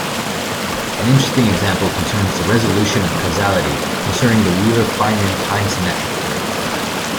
An interesting example concerns the resolution of causality concerning the Wheeler-Feynman time-symmetric theory.